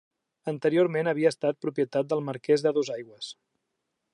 Anteriorment havia estat propietat del Marqués de Dosaigües.